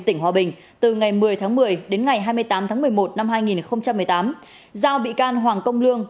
tỉnh hòa bình từ ngày một mươi tháng một mươi đến ngày hai mươi tám tháng một mươi một năm hai nghìn một mươi tám giao bị can hoàng công lương